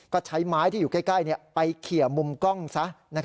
ก็ใช้ไม้ที่อยู่ใกล้ไปเขี่ยมุมกล้องซะ